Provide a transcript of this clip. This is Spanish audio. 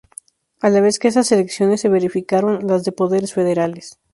A la vez que esas elecciones, se verificaron las de Poderes Federales.